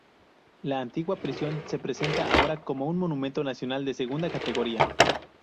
La antigua prisión se presenta ahora como un monumento nacional de segunda categoría.